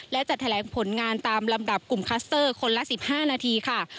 และจะแถลงผลงานตามลำดับกลุ่มคัสเตอร์คนละ๑๕นาทีค่ะ